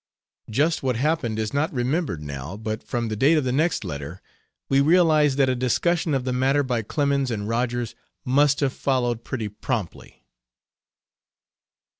Just what happened is not remembered now, but from the date of the next letter we realize that a discussion of the matter by Clemens and Rogers must have followed pretty promptly.